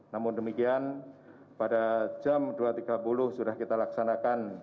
namun demikian pada jam dua tiga puluh sudah kita laksanakan